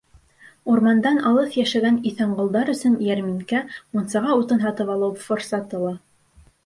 Урмандан алыҫ йәшәгән иҫәнғолдар өсөн йәрминкә — мунсаға утын һатып алыу форсаты ла.